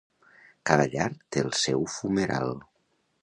Cada llar té el seu fumeral.